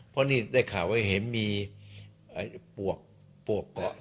เพราะนี่ได้ข่าวไว้เห็นมีปวกเกาะ